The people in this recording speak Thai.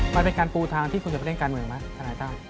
มันเป็นการปูทางที่คุณจะไปเล่นการเมืองไหมทนายตั้ม